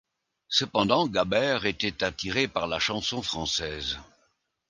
Cependant Gaber était attiré par la Chanson française.